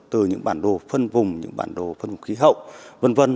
từ những bản đồ phân vùng những bản đồ phân vùng khí hậu v v